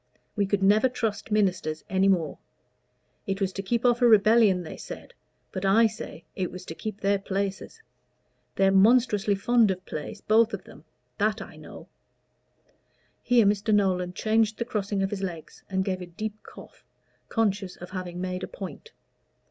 We could never trust ministers any more. It was to keep off a rebellion, they said; but I say it was to keep their places. They're monstrously fond of place, both of them that I know." Here Mr. Nolan changed the crossing of his legs, and gave a deep cough, conscious of having made a point.